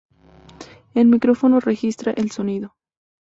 El micrófono registra el sonido.